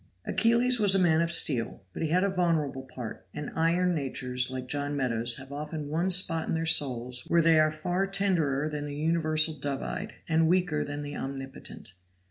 Achilles was a man of steel, but he had a vulnerable part; and iron natures like John Meadows have often one spot in their souls where they are far tenderer than the universal dove eyed, and weaker than the omnipotent.